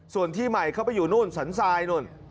ส่วนที่ใหม่เข้าไปอยู่นู่นสันทรายนู่น